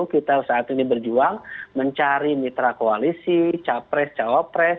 kita saat ini berjuang mencari mitra koalisi capres cawapres